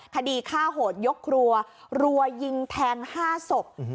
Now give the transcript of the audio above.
คดีฆ่าโหดยกครัวรัวยิงแทง๕ศพ